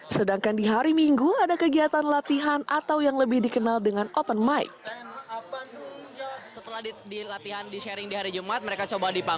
sedangkan di hari minggu ada kegiatan latihan atau yang lebih dikenal dengan open mike